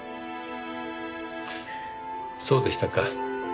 そうでしたか。